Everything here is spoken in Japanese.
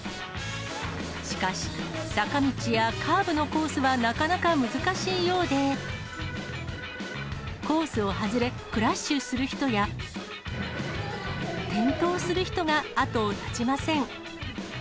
しかし、坂道やカーブのコースはなかなか難しいようで、コースを外れ、クラッシュする人や、転倒する人が後を絶ちません。